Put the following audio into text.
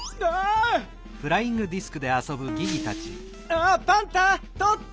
あっパンタとって！